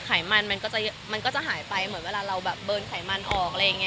ไขมันมันก็จะหายไปเหมือนเวลาเราเบิร์นไขมันออก